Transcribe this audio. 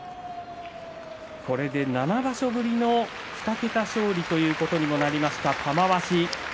これで７場所ぶりの２桁勝利ということにもなりました、玉鷲。